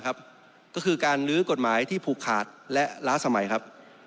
ก็คือการลื้อกฎหมายที่ผูกขาดและล้าสมัยครับ